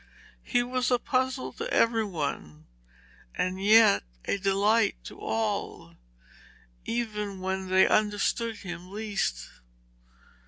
He was a puzzle to every one, and yet a delight to all, even when they understood him least.